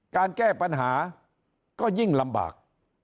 การแก้ปัญหาก็ยิ่งลำบาก